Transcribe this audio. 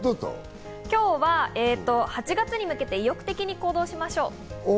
今日は８月に向けて意欲的に行動しましょう。